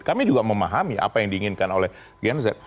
kami juga memahami apa yang diinginkan oleh gen z